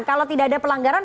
kalau tidak ada pelanggaran